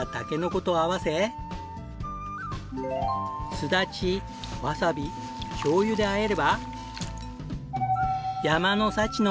スダチわさびしょうゆで和えれば。